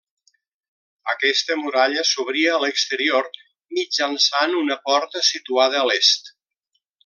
Aquesta muralla s'obria a l'exterior mitjançant una porta situada a l'est.